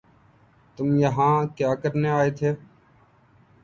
تم یہاں کیا کرنے آئے تھے